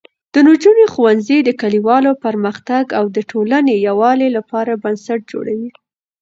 د نجونو ښوونځی د کلیوالو پرمختګ او د ټولنې یووالي لپاره بنسټ جوړوي.